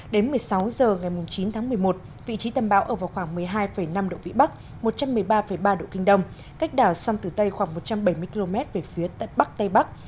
đến một mươi sáu h ngày chín tháng một mươi một vị trí tâm bão ở vào khoảng một mươi hai năm độ vĩ bắc một trăm một mươi ba ba độ kinh đông cách đảo sông tử tây khoảng một trăm bảy mươi km về phía tận bắc tây bắc